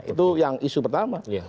itu yang isu pertama